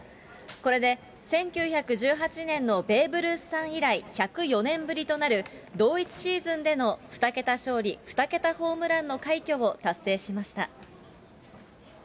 これで１９１８年のベーブ・ルースさん以来１０４年ぶりとなる同一シーズンでの２桁勝利、２桁ホームランの快挙を達成しました。